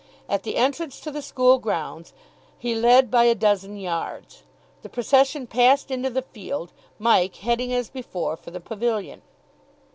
At the entrance to the school grounds he led by a dozen yards. The procession passed into the field, Mike heading as before for the pavilion.